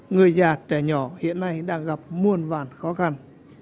người già trẻ nhỏ hiện nay đang gặp muôn vàn khó khăn